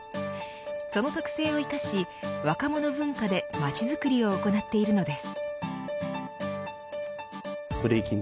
その特性を生かし若者文化で街づくりを行っているのです。